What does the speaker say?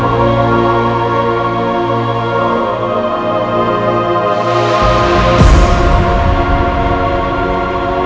beliau bisa menemukan diri sendiri